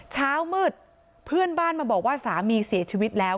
เช้ามืดเพื่อนบ้านมาบอกว่าสามีเสียชีวิตแล้ว